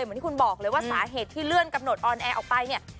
เหมือนที่คุณบอกเลยว่าสาเหตุที่เลื่อนกำหนดออนแอร์ออกไปเนี่ย